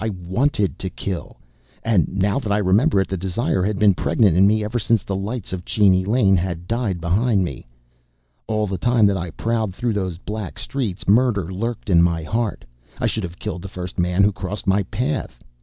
I wanted to kill. And now that I remember it, the desire had been pregnant in me ever since the lights of Cheney Lane had died behind me. All the time that I prowled through those black streets, murder lurked in my heart. I should have killed the first man who crossed my path.